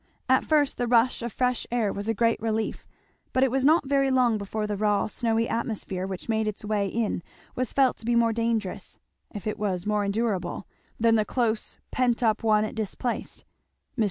At first the rush of fresh air was a great relief; but it was not very long before the raw snowy atmosphere which made its way in was felt to be more dangerous, if it was more endurable, than the close pent up one it displaced. Mr.